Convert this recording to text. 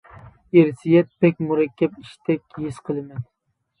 ئىرسىيەت بەك مۇرەككەپ ئىشتەك ھېس قىلىمەن.